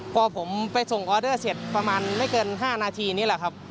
พอผมไปส่งออเดอร์เสร็จประมาณไม่เกิน๕นาทีนี่แหละครับ